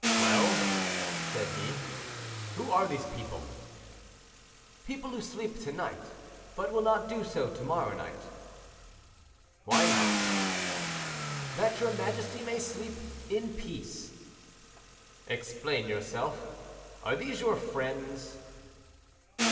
"Well," said he, "who are these people?" "People who sleep to night, but will not do so to morrow night." "Why not?" "That your majesty may sleep in peace." "Explain yourself. Are these your friends?"